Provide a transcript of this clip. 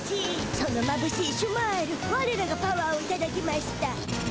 そのまぶしいシュマイルわれらがパワーをいただきました。